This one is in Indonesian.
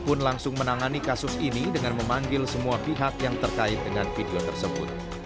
pun langsung menangani kasus ini dengan memanggil semua pihak yang terkait dengan video tersebut